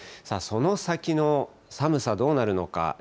その先の寒さ、どうなるのか。